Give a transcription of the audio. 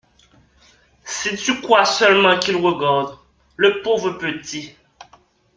Si tu crois seulement qu’il regarde, le pauvre petit !